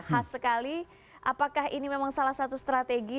khas sekali apakah ini memang salah satu strategi